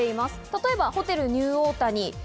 例えばホテルニューオータニ。